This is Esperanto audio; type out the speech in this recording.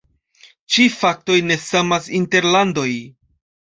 Ĉi faktoj ne samas inter landoj.